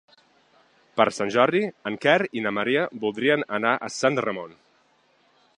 Per Sant Jordi en Quer i na Maria voldrien anar a Sant Ramon.